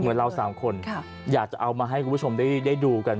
เหมือนเราสามคนอยากจะเอามาให้คุณผู้ชมได้ดูกัน